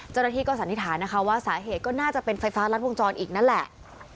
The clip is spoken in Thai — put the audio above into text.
เจ้าหน้าที่ก็สันนิษฐานนะคะว่าสาเหตุก็น่าจะเป็นไฟฟ้ารัดวงจรอีกนั่นแหละ